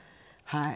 はい。